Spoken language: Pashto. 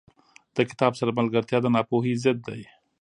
• د کتاب سره ملګرتیا، د ناپوهۍ ضد دی.